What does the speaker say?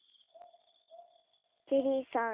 ジェリーさん